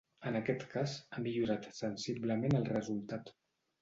En aquest cas, ha millorat sensiblement el resultat.